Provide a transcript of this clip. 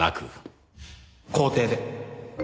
校庭で。